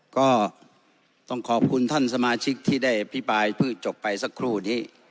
ก็ต้องขอบคุณท่านสมาชิกที่ได้อภิปรายเพิ่งจบไปสักครู่นี้